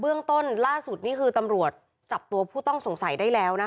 เรื่องต้นล่าสุดนี่คือตำรวจจับตัวผู้ต้องสงสัยได้แล้วนะคะ